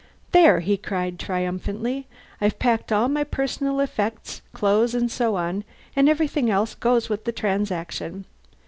"There!" he cried triumphantly. "I've packed all my personal effects clothes and so on and everything else goes with the transaction.